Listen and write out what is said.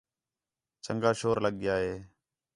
چَنڳا شور لڳ ڳِیا ہِے